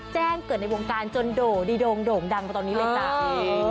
แจ้งเกิดในวงการจนโด่งดีโด่งโด่งดังไปตอนนี้เลยจ้า